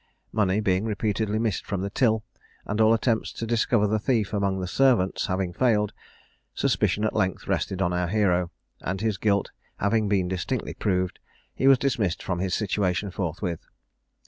Money being repeatedly missed from the till, and all attempts to discover the thief among the servants having failed, suspicion at length rested on our hero; and his guilt having been distinctly proved he was dismissed from his situation forthwith.